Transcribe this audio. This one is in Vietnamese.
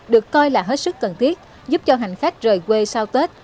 được coi là hết sức cần thiết giúp cho hành khách rời quê sau tết